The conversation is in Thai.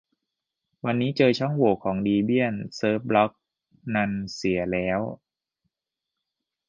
วันนี้เจอช่องโหว่ของดีเบียนเซิฟบล๊อกนันเสียแล้ว